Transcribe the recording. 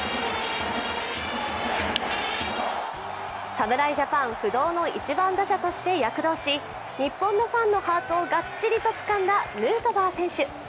侍ジャパン不動の１番打者として躍動し日本のファンのハートをがっちりとつかんだヌートバー選手。